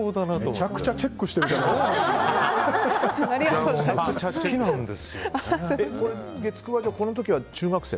めちゃくちゃチェックしてるじゃないですか。